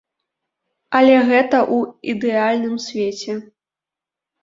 Але гэта ў ідэальным свеце.